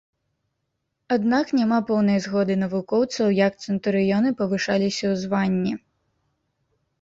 Аднак няма поўнай згоды навукоўцаў як цэнтурыёны павышаліся ў званні.